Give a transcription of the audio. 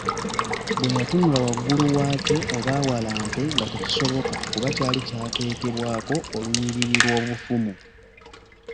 Bwe yatunula waggulu waakyo oba awalampe nga tekisoboka kuba kyali kyateekebwako olunyiriri lw’obufumu.